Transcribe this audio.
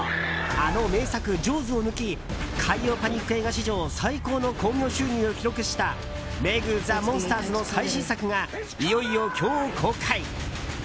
あの名作「ジョーズ」を抜き海洋パニック映画史上最高の興行収入を記録した「ＭＥＧザ・モンスターズ」の最新作がいよいよ今日公開。